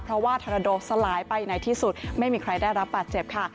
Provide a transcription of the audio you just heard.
เพราะว่าธนโดสลายไปไหนที่สุดไม่มีใครได้รับบาดเจ็บค่ะ